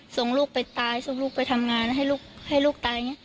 ส่งลูกไปตายส่งลูกไปทำงานให้ลูกตาย